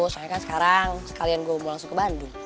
soalnya kan sekarang sekalian gue mau langsung ke bandung